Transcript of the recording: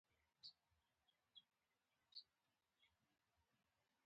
د پیسو په لیږد کې هیڅ ډول ځنډ نه راځي.